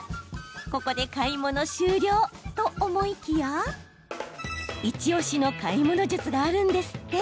ここで買い物終了と思いきやイチおしの買い物術があるんですって。